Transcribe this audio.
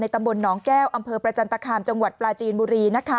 ตำบลหนองแก้วอำเภอประจันตคามจังหวัดปลาจีนบุรี